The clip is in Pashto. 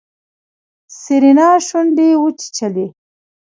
سېرېنا شونډې وچيچلې.